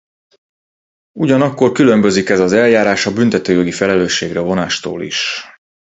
Ugyanakkor különbözik ez az eljárás a büntetőjogi felelősségre vonástól is.